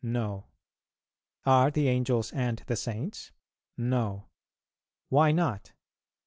No. Are the Angels and the Saints? No. Why not?